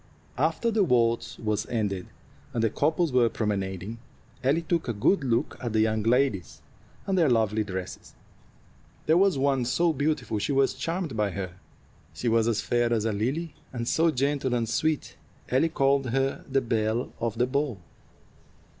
After the waltz was ended, and the couples were promenading, Ellie took a good look at the young ladies and their lovely dresses. There was one so beautiful she was charmed by her. She was as fair as a lily, and so gentle and sweet Ellie called her the belle of the ball.